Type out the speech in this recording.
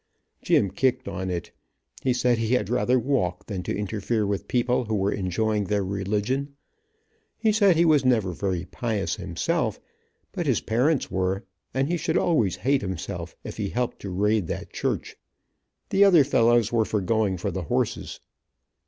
Jim kicked on it. He said he had rather walk than to interfere with people who were enjoying their religion. He said he was never very pious himself, but his parents were, and he should always hate himself if he helped to raid that church. The other fellows were for going for the horses.